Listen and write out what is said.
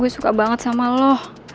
gue suka banget sama lo